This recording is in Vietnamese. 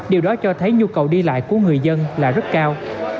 điều đó cho thấy nhu cầu đi lại của người dân là rất cao